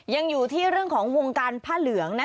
ยังอยู่ที่เรื่องของวงการผ้าเหลืองนะ